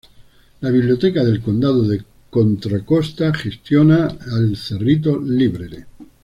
La Biblioteca del Condado de Contra Costa gestiona la El Cerrito Library.